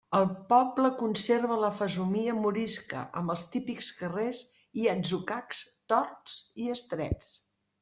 El poble conserva la fesomia morisca amb els típics carrers i atzucacs torts i estrets.